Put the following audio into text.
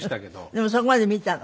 でもそこまで見たの？